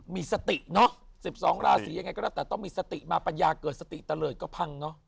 มีสติเนอะ๑๒ราศียังไงก็แล้วแต่ต้องมีสติมาปัญญาเกิดสติเตลิศก็พังเนอะ